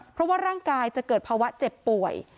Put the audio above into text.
เพราะว่าร่างกายจะเกิดภาวะเจ็บป่วย